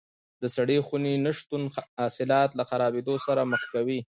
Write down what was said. د سړې خونې نه شتون حاصلات له خرابېدو سره مخ کوي.